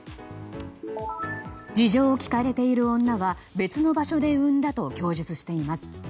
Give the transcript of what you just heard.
事情を聴かれている女は別の場所で産んだと供述しています。